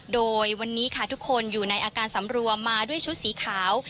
โดยวันนี้ค่ะทุกคนอยู่ในอาการสำรวมมาด้วยชุดสีขาว